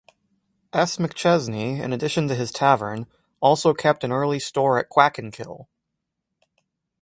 S. McChesney, in addition to his tavern, also kept an early store at Quackenkill.